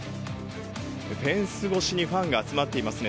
フェンス越しにファンが集まっていますね。